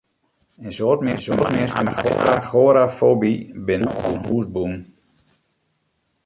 In soad minsken mei agorafoby binne oan hûs bûn.